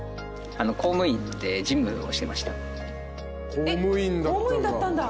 公務員だったんだ。